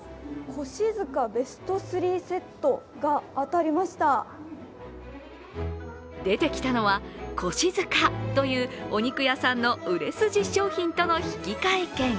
腰塚ベスト３セットが当たりました出てきたのは、越塚というお肉屋さんの売れ筋商品との引換券。